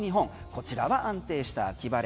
こちらは安定した秋晴れ。